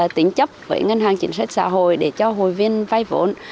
tính chấp với ngân hàng chính sách xã hội để cho hội viên vay vốn